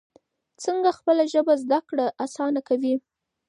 څنګه خپله ژبه زده کړه اسانه کوي؟